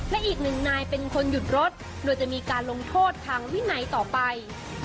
และอีกหนึ่งนายเป็นคนหยุดรถโดยจะมีการลงโทษทางวินัยต่อไป